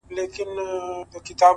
دا ستا خبري او ښكنځاوي گراني !